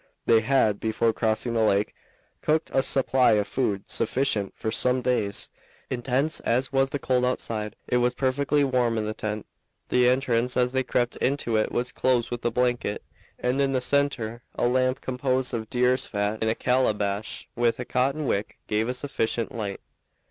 They had, before crossing the lake, cooked a supply of food sufficient for some days. Intense as was the cold outside, it was perfectly warm in the tent. The entrance as they crept into it was closed with a blanket, and in the center a lamp composed of deer's fat in a calabash with a cotton wick gave a sufficient light.